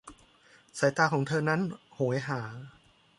สายตาของเธอเหล่านั้นโหยหา !